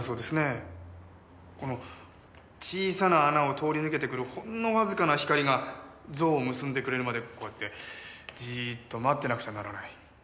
この小さな穴を通り抜けてくるほんのわずかな光が像を結んでくれるまでこうやってじーっと待ってなくちゃならない。